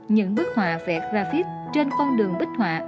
những bức họa vẽ rafit trên con đường bích họa